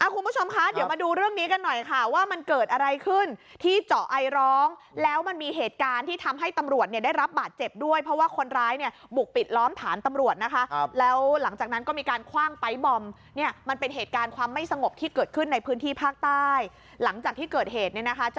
คุณผู้ชมคะเดี๋ยวมาดูเรื่องนี้กันหน่อยค่ะว่ามันเกิดอะไรขึ้นที่เจาะไอร้องแล้วมันมีเหตุการณ์ที่ทำให้ตำรวจเนี่ยได้รับบาดเจ็บด้วยเพราะว่าคนร้ายเนี่ยบุกปิดล้อมฐานตำรวจนะคะแล้วหลังจากนั้นก็มีการคว่างไป๊บอมเนี่ยมันเป็นเหตุการณ์ความไม่สงบที่เกิดขึ้นในพื้นที่ภาคใต้หลังจากที่เกิดเหตุเนี่ยนะคะ